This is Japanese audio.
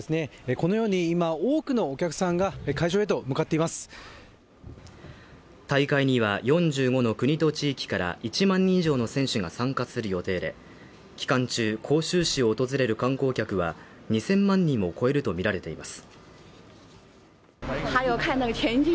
このように今多くのお客さんが会場へと向かっています大会には４５の国と地域から１万人以上の選手が参加する予定で期間中、杭州市を訪れる観光客は２０００万人を超えるとみられています